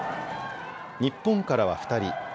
日本からは２人。